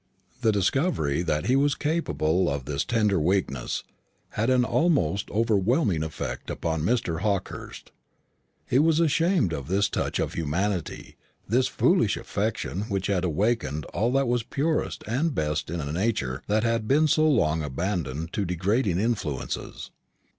The discovery that he was capable of this tender weakness had an almost overwhelming effect upon Mr. Hawkehurst. He was ashamed of this touch of humanity, this foolish affection which had awakened all that was purest and best in a nature that had been so long abandoned to degrading influences.